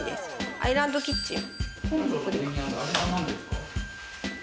アイランドキッチン。